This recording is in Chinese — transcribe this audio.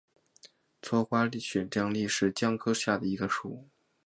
喙花姜属是姜科下的一个属。